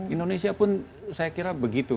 indonesia pun saya kira begitu